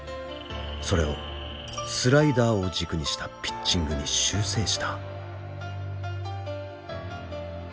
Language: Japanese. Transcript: それをスライダーを軸にしたピッチングに修正した。